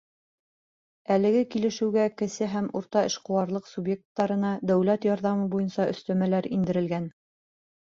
Әлеге килешеүгә кесе һәм урта эшҡыуарлыҡ субъекттарына дәүләт ярҙамы буйынса өҫтәмәләр индерелгән.